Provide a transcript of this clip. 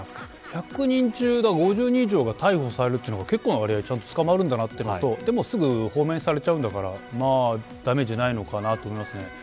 １００人中５０人以上が逮捕されるのは、結構な割合で捕まるというのとでも、すぐ放免されちゃうんだからダメージないのかなと思います。